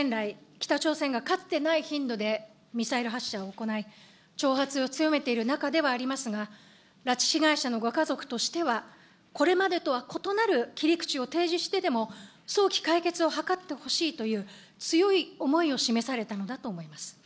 北朝鮮がかつてない頻度でミサイル発射を行い、挑発を強めている中ではありますが、拉致被害者のご家族としては、これまでとは異なる切り口を提示してでも、早期解決を図ってほしいという、強い思いを示されたのだと思います。